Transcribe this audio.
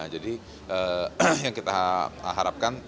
jadi yang kita harapkan